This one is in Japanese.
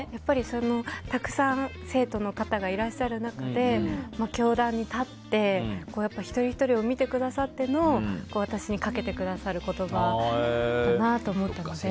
たくさん生徒の方がいらっしゃる中で教壇に立って一人ひとりを見てくださっての私にかけてくださる言葉だなと思ってますね。